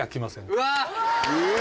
うわ！